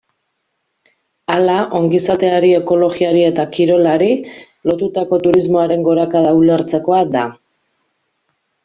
Hala, ongizateari, ekologiari eta kirolari lotutako turismoaren gorakada ulertzekoa da.